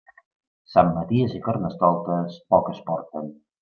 Sant Maties i Carnestoltes, poc es porten.